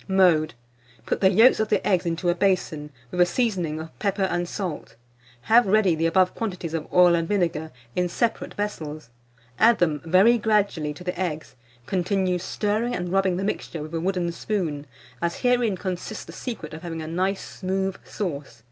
Mode. Put the yolks of the eggs into a basin, with a seasoning of pepper and salt; have ready the above quantities of oil and vinegar, in separate vessels; add them very gradually to the eggs; continue stirring and rubbing the mixture with a wooden spoon, as herein consists the secret of having a nice smooth sauce.